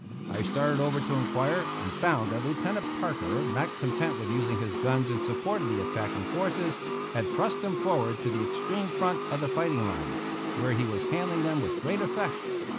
I started over to inquire, and found that Lieutenant Parker, not content with using his guns in support of the attacking forces, had thrust them forward to the extreme front of the fighting line, where he was handling them with great effect.